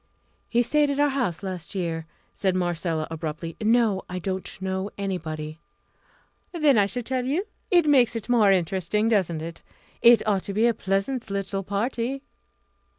"He stayed at our house last year," said Marcella, abruptly. "No, I don't know anybody." "Then shall I tell you? It makes it more interesting, doesn't it? It ought to be a pleasant little party."